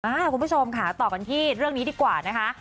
คุณผู้ชมค่ะต่อกันที่เรื่องนี้ดีกว่านะคะ